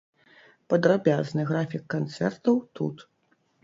Падрабязны графік канцэртаў тут.